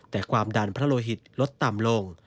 แต่ความดันพระโลหิตลดต่ำลง